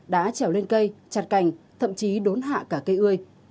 đã trèo lên cây chặt cành thậm chí đốn hạ cả cây ươi